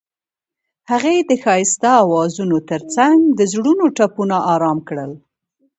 هغې د ښایسته اوازونو ترڅنګ د زړونو ټپونه آرام کړل.